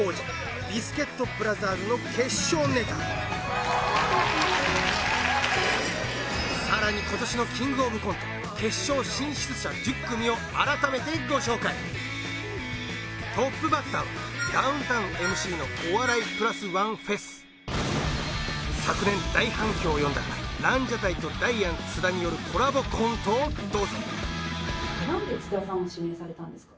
そしてさらに今年のキングオブコント決勝進出者１０組を改めてご紹介トップバッターはダウンタウンＭＣのお笑いプラスワンＦＥＳ昨年大反響を呼んだランジャタイとダイアン津田によるコラボコントをどうぞ何で津田さんを指名されたんですか？